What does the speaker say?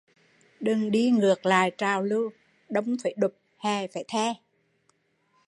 Đừng đi ngược lại trào lưu, đông phải đụp hè phải the